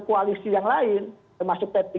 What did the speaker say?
koalisi yang lain termasuk p tiga